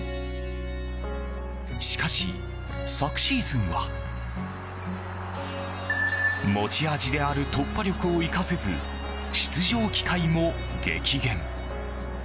しかし昨シーズンは持ち味である突破力を生かせず出場機会も激減。